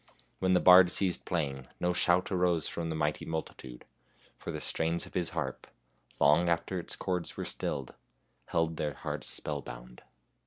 When the bard ceased playing no shout arose from the mighty multitude, for the strains of his harp, long after its chords were stilled, held their hearts spellbound.